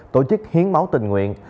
tổ chức hiến máu tình nguyện